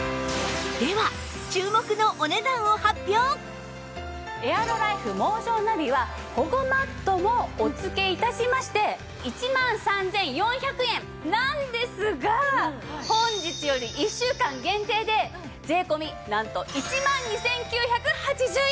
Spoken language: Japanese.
では注目のエアロライフモーションナビは保護マットもお付け致しまして１万３４００円なんですが本日より１週間限定で税込なんと１万２９８０円です。